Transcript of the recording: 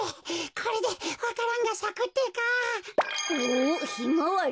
これでわか蘭がさくってか。おヒマワリ？